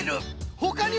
ほかには？